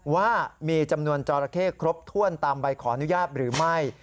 ว่ามีจำนวนจอราเข้ครบถ้วนตามใบขออนุญาตหรือไม่